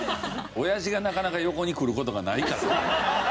オヤジがなかなか横に来る事がないから。